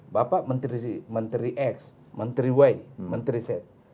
bapak menteri x menteri y menteri z